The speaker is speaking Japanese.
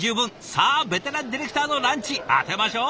さあベテランディレクターのランチ当てましょう！